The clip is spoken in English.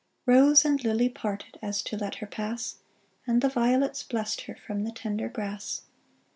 Rose and lily parted As to let her pass, And the violets blessed her From the tender grass.